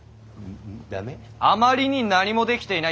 あまりに何もできていない。